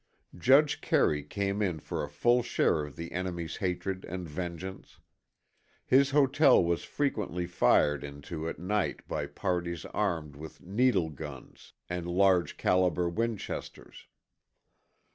Judge Carey came in for a full share of the enemy's hatred and vengeance. His hotel was frequently fired into at night by parties armed with needle guns and large calibre Winchesters.